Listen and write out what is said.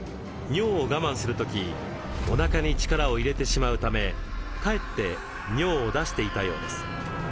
尿を我慢する時おなかに力を入れてしまうためかえって尿を出していたようです。